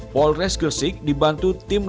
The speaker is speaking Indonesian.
polres gersik dibantu tim laburan penyidikan